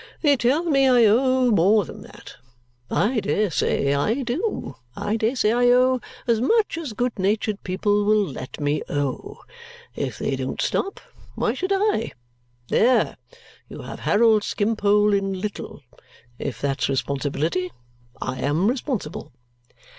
They tell me I owe more than that. I dare say I do. I dare say I owe as much as good natured people will let me owe. If they don't stop, why should I? There you have Harold Skimpole in little. If that's responsibility, I am responsible."